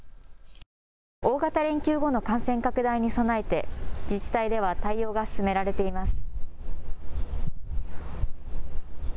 大型連休後の感染拡大に備えて自治体では対応が進められています。